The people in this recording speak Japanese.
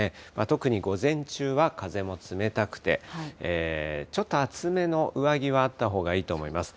特に午前中は風も冷たくて、ちょっと厚めの上着はあったほうがいいと思います。